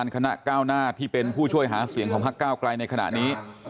คณะก้าวหน้าที่เป็นผู้ช่วยหาเสียงของพักเก้าไกลในขณะนี้